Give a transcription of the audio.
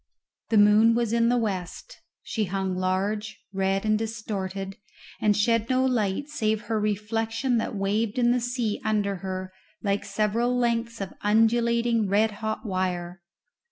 The moon was in the west; she hung large, red, and distorted, and shed no light save her reflection that waved in the sea under her like several lengths of undulating red hot wire.